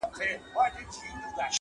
اوږدې لاري یې وهلي په ځنګلو کي -